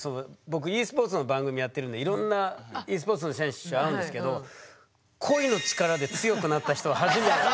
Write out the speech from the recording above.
僕ｅスポーツの番組やってるんでいろんなｅスポーツの選手会うんですけどｅスポーツ今までないですか？